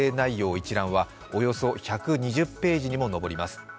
一蘭はおよそ１２０ページにも上ります。